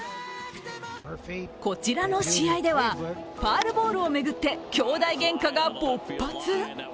こちらの試合ではファウルボールを巡って兄弟げんかが勃発。